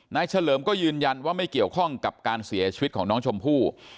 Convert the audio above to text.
เฉลิมก็ยืนยันว่าไม่เกี่ยวข้องกับการเสียชีวิตของน้องชมพู่